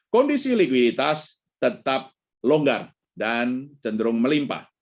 kondisi likuiditas tetap longgar dan cenderung melimpah